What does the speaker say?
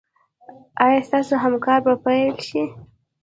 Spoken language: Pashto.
ایا ستاسو همکاري به پیل شي؟